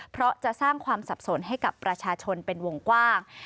เพราะจะสร้างความสับสนให้กับประชาชนเป็นวงกว้าง